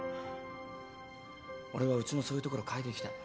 俺はうちのそういうところを変えていきたい。